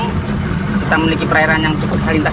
kita memiliki perairan yang cukup salintas